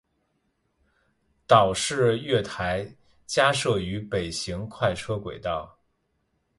岛式月台加设于北行快车轨道。